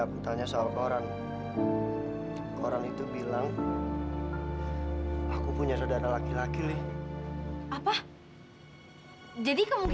aku yakin suatu saat pasti adrian berubah kok